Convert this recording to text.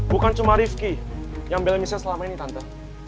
bukan cuma riki yang belain michelle selama ini tante